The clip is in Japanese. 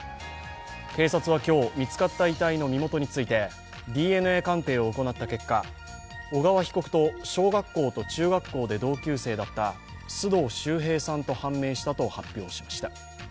警察は今日見つかった遺体の身元についてＤＮＡ鑑定を行った結果小川被告と小学校と中学校で同級生だった須藤秀平さんと判明したと発表しました。